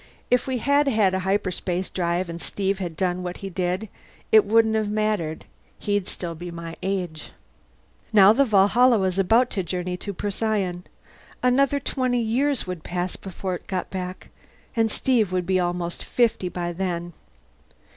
If we had had a hyperspace drive and Steve had done what he did, it wouldn't have mattered. He'd still be my age. Now the Valhalla was about to journey to Procyon. Another twenty years would pass before it got back, and Steve would be almost fifty by then.